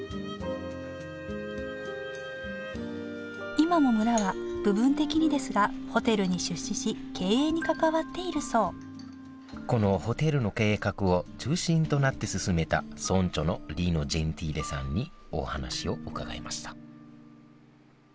今も村は部分的にですがホテルに出資し経営に関わっているそうこのホテルの計画を中心となって進めた村長のリノ・ジェンティーレさんにお話を伺いました